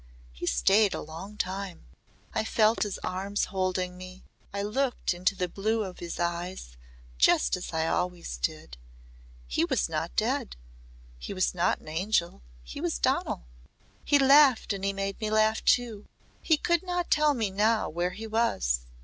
He stayed a long time. I felt his arms holding me. I looked into the blue of his eyes just as I always did. He was not dead. He was not an angel. He was Donal. He laughed and made me laugh too. He could not tell me now where he was.